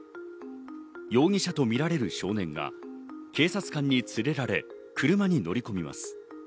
容疑者とみられる少年が警察官に連れられ、車に乗り込みます。